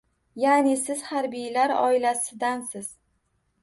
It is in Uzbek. — Yaʼni, siz harbiylar oilasidansiz?